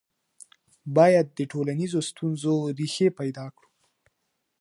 باید د ټولنیزو ستونزو ریښې پیدا کړو.